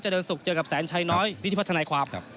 เดินสุขเจอกับแสนชัยน้อยพิธีพัฒนาความ